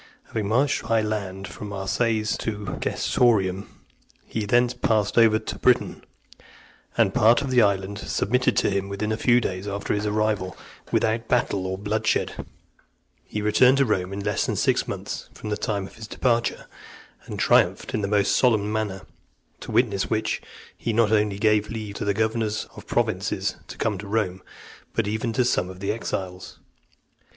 Having marched by land from Marseilles to Gessoriacum , he thence passed over to Britain, and part of the island submitting to him, within a few days after his arrival, without battle or bloodshed, he returned to Rome in less than six months from the time of his departure, and triumphed in the most solemn manner ; to witness which, he not only (310) gave leave to governors of provinces to come to Rome, but even to some of the exiles.